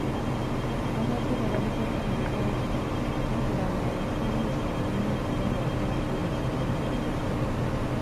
Babadde balabikako mu kkooti wabula ng'abapoliisi abalina okubawaako obujulizi tebalabikako.